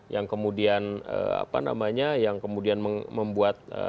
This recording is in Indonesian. yang kemudian membuat